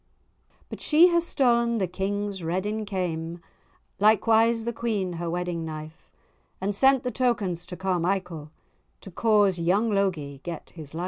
But she has stown[#] the King's redding kaim,[#] Likewise the Queen her wedding knife, And sent the tokens to Carmichael, To cause young Logie get his life.